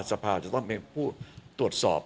สภาจะต้องเป็นผู้ตรวจสอบ